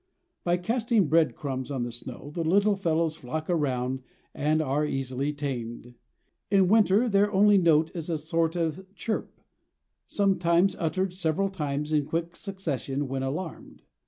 By casting bread crumbs on the snow, the little fellows flock around, and are easily tamed. In winter their only note is a sort of chirp, sometimes uttered several times in quick succession when alarmed.